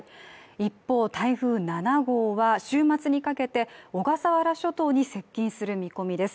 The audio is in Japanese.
一方、台風７号は週末にかけて小笠原諸島に接近する見込みです。